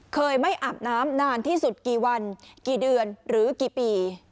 เคยไม่อาบน้ำนานที่สุดกี่วันกี่เดือนหรือกี่ปี